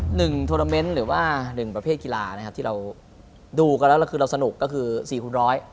โทรเมนต์หรือว่าหนึ่งประเภทกีฬานะครับที่เราดูกันแล้วคือเราสนุกก็คือสี่คูณร้อย